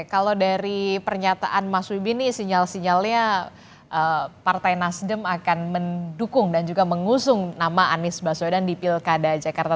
kalau dari pernyataan mas wibi ini sinyal sinyalnya partai nasdem akan mendukung dan juga mengusung nama anies baswedan di pilkada jakarta